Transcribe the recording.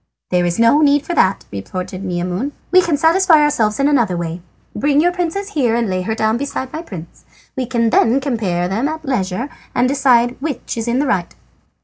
"There is no need for that," retorted Maimoune; "we can satisfy ourselves in another way. Bring your princess here and lay her down beside my prince. We can then compare them at leisure, and decide which is in the right."